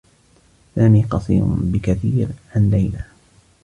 سامي قصير بكثير عن ليلى.